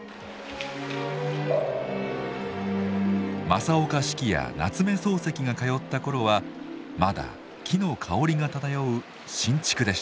正岡子規や夏目漱石が通った頃はまだ木の香りが漂う新築でした。